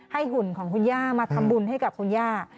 หุ่นของคุณย่ามาทำบุญให้กับคุณย่า